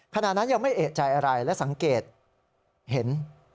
ขณะนั้นยังไม่เอกใจอะไรและสังเกตเห็น